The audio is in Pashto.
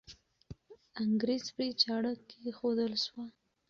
انګریز پرې چاړه کښېښودل سوه.